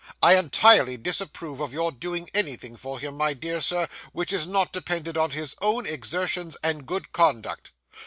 I entirely disapprove of your doing anything for him, my dear sir, which is not dependent on his own exertions and good conduct.